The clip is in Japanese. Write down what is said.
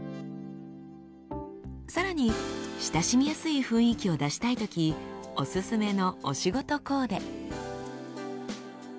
更に親しみやすい雰囲気を出したい時おすすめのお仕事コーデ。